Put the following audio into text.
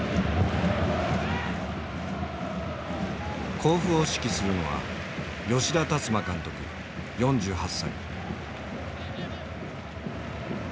甲府を指揮するのは吉田達磨監督４８歳。